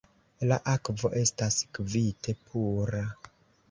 La akvo estas kvite pura.